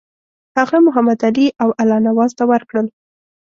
هغه محمدعلي او الله نواز ته ورکړل.